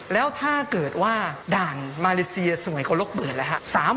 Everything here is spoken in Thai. แล้วถ้าเกิดว่าด่านมาเลเซียสวยกว่าลกหมื่นแล้วครับ